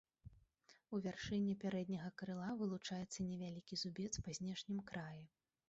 У вяршыні пярэдняга крыла вылучаецца невялікі зубец па знешнім краі.